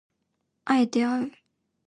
敢えてあう